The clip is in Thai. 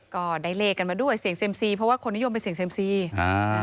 ก็ไดเรกกันมาด้วยเซ็งเซ็มซีเพราะว่าคนนิยมเป็นเซ็งเซ็มซีอ่า